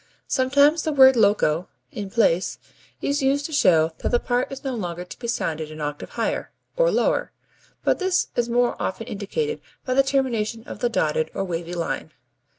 Sometimes the word loco (in place) is used to show that the part is no longer to be sounded an octave higher (or lower), but this is more often indicated by the termination of the dotted (or wavy) line.